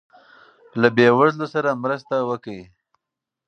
له بې وزلو سره مرسته وکړئ.